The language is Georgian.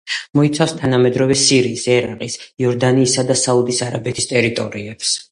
მოიცავს თანამედროვე სირიის, ერაყის, იორდანიისა და საუდის არაბეთის ტერიტორიებს.